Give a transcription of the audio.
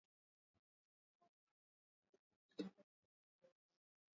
katika Jimbo la Stavropol Na katika moja ya